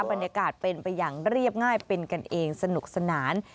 บรรยากาศเป็นไปอย่างเรียบง่ายเป็นกันเองสนุกสนาน